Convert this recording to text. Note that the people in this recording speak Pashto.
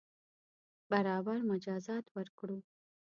برابر مجازات ورکړو.